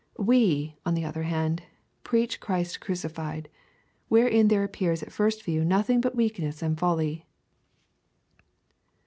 We, on the other hand, jji each Christ crucified, Avhcrein there appears at first view nothing but w^eakness and folly.